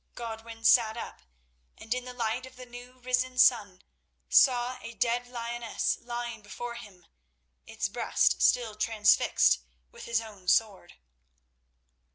Godwin sat up, and in the light of the new risen sun, saw a dead lioness lying before him, its breast still transfixed with his own sword.